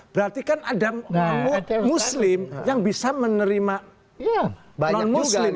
berarti kan ada muslim yang bisa menerima non muslim